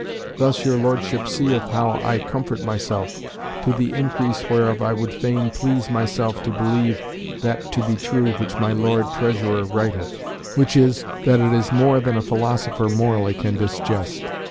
Thus your Lordship seeth how I comfort myself; to the increase whereof I would fain please myself to believe that to be true which my Lord Treasurer writeth; which is, that it is more than a philosopher morally can disgest.